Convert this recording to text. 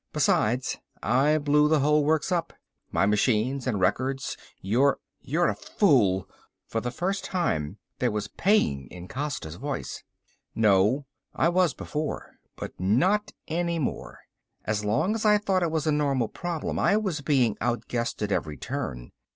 Besides I blew the whole works up. My machines and records, your " "You're a fool!" For the first time there was pain in Costa's voice. "No. I was before but not any more. As long as I thought it was a normal problem I was being outguessed at every turn.